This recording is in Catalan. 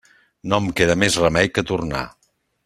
No em queda més remei que tornar.